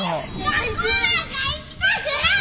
学校なんか行きたくない！